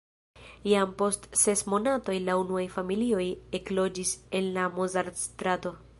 Jam post ses monatoj la unuaj familioj ekloĝis en la Mozart-strato.